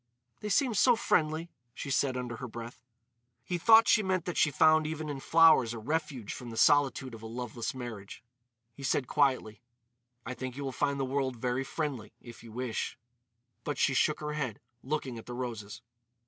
"They seem so friendly," she said under her breath. He thought she meant that she found even in flowers a refuge from the solitude of a loveless marriage. He said quietly: "I think you will find the world very friendly, if you wish." But she shook her head, looking at the roses.